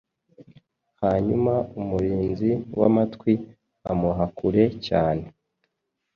Hanyuma umurinzi wamatwi amuha kure cyane